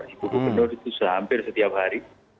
ibu gubernur itu hampir setiap hari